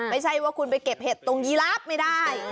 ไม่ใช่ว่าคุณไปเก็บเห็ดตรงยีลาบไม่ได้